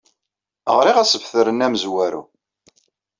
Ɣriɣ asebter-nni amezwaru.